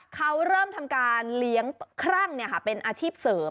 เขาเริ่มทำการเลี้ยงครั่งเป็นอาชีพเสริม